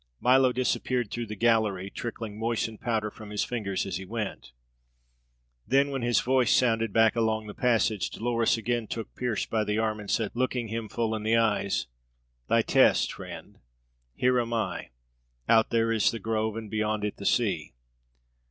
Milo disappeared through the gallery, trickling moistened powder from his fingers as he went. Then, when his voice sounded back along the passage, Dolores again took Pearse by the arm and said, looking him full in the eyes: "Thy test, friend. Here am I. Out there is the grove, and beyond it the sea.